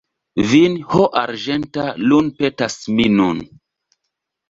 Vin ho arĝenta lun’ petas mi nun.